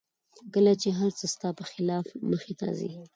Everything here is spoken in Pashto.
کله چې هر څه ستا په خلاف مخته ځي